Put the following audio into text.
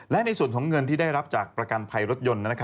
และในส่วนของเงินที่ได้รับจากประกันภัยรถยนต์